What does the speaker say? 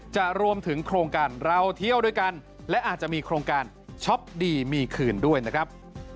รวมถึงโครงการเราเที่ยวด้วยกันและอาจจะมีโครงการช็อปดีมีคืนด้วยนะครับ